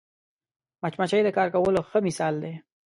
مچمچۍ د کار کولو ښه مثال دی